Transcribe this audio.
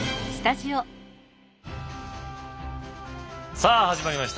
さあ始まりました。